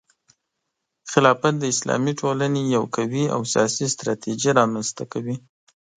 خلافت د اسلامي ټولنې لپاره یو قوي او سیاسي ستراتیژي رامنځته کوي.